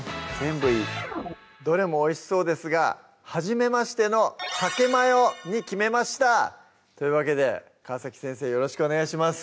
どれもおいしそうですがはじめましての「さけマヨ」に決めました！というわけで川先生よろしくお願いします